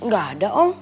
gak ada om